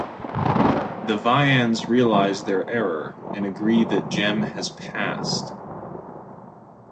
The Vians realize their error, and agree that Gem has passed.